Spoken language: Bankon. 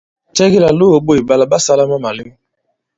Cɛ ki làlōō ɓôt ɓa nila ɓa sālā àma màlew ?